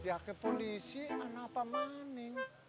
eh pas pardi